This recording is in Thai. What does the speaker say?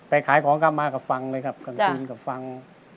ไปขายของก็มากับฟังเลยครับกันคืนกับฟัง